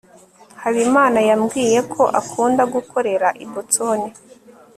habimana yambwiye ko akunda gukorera i boston